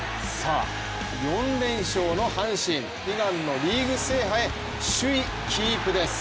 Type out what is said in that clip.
４連勝の阪神、悲願のリーグ制覇へ首位キープです。